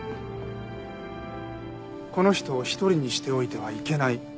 この人を一人にしておいてはいけない。